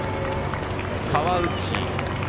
川内。